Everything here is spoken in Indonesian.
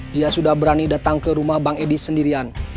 dia sudah berani datang ke rumah bang edi sendirian